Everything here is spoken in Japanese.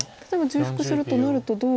例えば重複するとなるとどう？